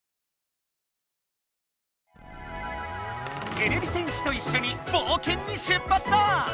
てれび戦士といっしょにぼうけんに出ぱつだ！